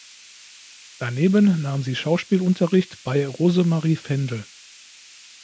Daneben nahm sie Schauspielunterricht bei Rosemarie Fendel.